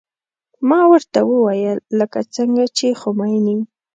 ما ورته وويل لکه څنګه چې خميني.